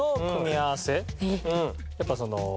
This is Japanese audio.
やっぱその。